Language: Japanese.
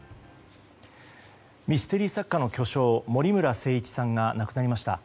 ミステリー作家の巨匠森村誠一さんが亡くなりました。